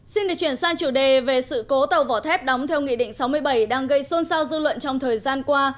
xin được chuyển sang chủ đề về sự cố tàu vỏ thép đóng theo nghị định sáu mươi bảy đang gây xôn xao dư luận trong thời gian qua